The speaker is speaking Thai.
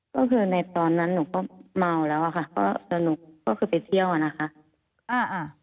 ก็คือในตอนนั้นหนูก็เมาแล้วอะค่ะก็สรุปก็คือไปเที่ยวอะนะคะ